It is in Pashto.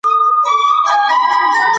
خپل توان وپېژنه